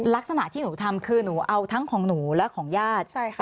ลักษณะที่หนูทำคือหนูเอาทั้งของหนูและของญาติ